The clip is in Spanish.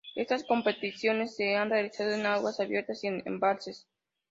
Estas competiciones se han realizado en aguas abiertas y en embalses.